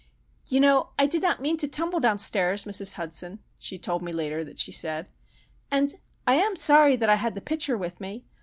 "You know I did not mean to tumble downstairs, Mrs. Hudson," she told me later that she said:—"and I'm sorry that I had the pitcher with me.